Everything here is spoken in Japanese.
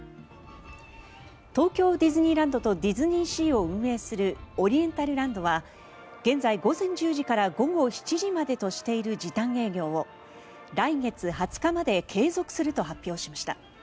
東京ディズニーランドとディズニーシーを運営するオリエンタルランドは現在、午前１０時から午後７時までとしている時短営業を来月２０日まで継続すると発表しました。